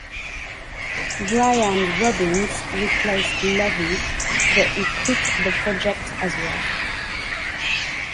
Brian Robbins replaced Levy, but he quit the project as well.